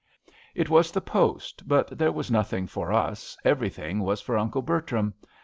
"It was the post, but there was nothing for us, everything Was for Uncle Bertram.